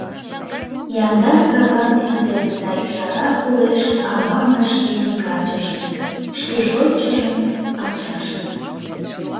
Яндар каван эрден Да ӱжара тулеш Авам вашлийын качыжым, Шке шочшыжын ачажым.